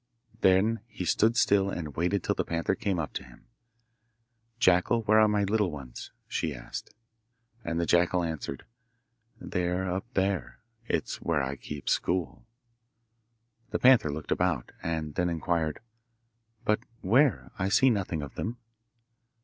Then he stood still and waited till the panther came up to him: 'Jackal, where are my little ones?' she asked. And the jackal answered: 'They are up there. It is where I keep school.' The panther looked about, and then inquired, 'But where? I see nothing of them.